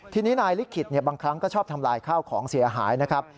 ทีนี้นายลิขิตบางครั้งก็ชอบทำลายข้าวของเสียหายนะครับ